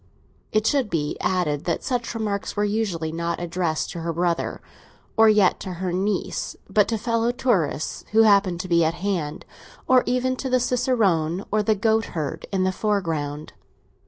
It should be added that such remarks were usually not addressed to her brother, or yet to her niece, but to fellow tourists who happened to be at hand, or even to the cicerone or the goat herd in the foreground.